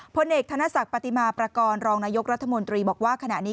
พลเอกธนศักดิ์ปฏิมาประกอบรองนายกรัฐมนตรีบอกว่าขณะนี้